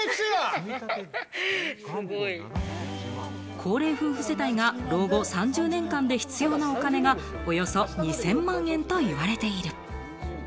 高齢夫婦世帯が老後３０年間で必要なお金がおよそ２０００万円と言われている。